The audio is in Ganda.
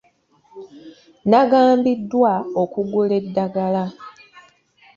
Nnagambiddwa okugula eddagala.